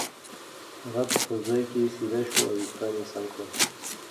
هغه په خپل ځای کې سیده شو او وېښتان یې سم کړل.